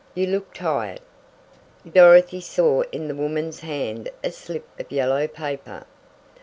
You look tired." Dorothy saw in the woman's hand a slip of yellow paper.